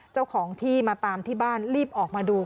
เจ้าของที่มาตามที่บ้านรีบออกมาดู